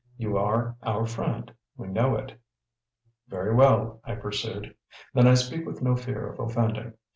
You are our friend. We know it." "Very well," I pursued; "then I speak with no fear of offending.